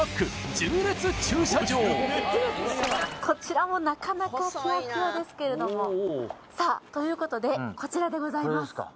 こちらもなかなかキワキワですけれどもさあということでこちらです